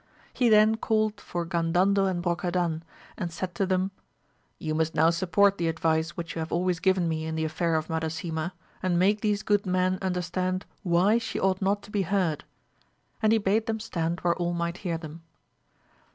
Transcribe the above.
He then called for Gandandel and Brocadan^ and said to them, You must now support the advice which you have always given me in the affair of Madasima, and make these good men understand why she ought not to be heard, and he bade them stand where all might hear them.